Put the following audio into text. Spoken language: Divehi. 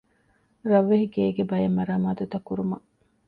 ރަށްވެހިގޭގެ ބައެއް މަރާމާތުތައް ކުރުމަށް